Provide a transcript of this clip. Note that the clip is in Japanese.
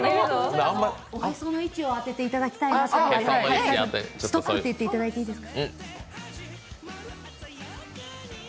おへその位置を当てていただきたいなと思ってストップって言っていただいていいですか？